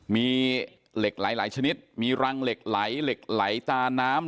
มีเหล็กไหลหลายชนิดมีรังเหล็กไหลเหล็กไหลตาน้ำ